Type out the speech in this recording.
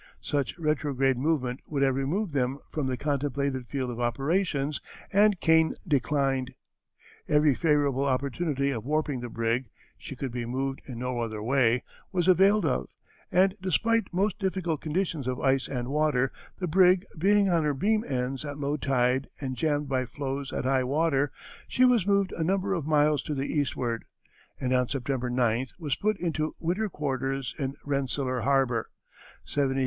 Such retrograde movement would have removed them from the contemplated field of operations, and Kane declined. Every favorable opportunity of warping the brig she could be moved in no other way was availed of, and despite most difficult conditions of ice and water, the brig being on her beam ends at low tide and jammed by floes at high water, she was moved a number of miles to the eastward, and on September 9th was put into winter quarters in Rensselaer Harbor, 78° 37´ N.